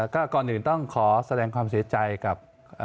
ก็ก่อนอื่นต้องขอแสดงความเสียใจกับ